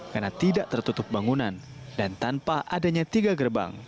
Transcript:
karena tidak tertutup bangunan dan tanpa adanya tiga gerbang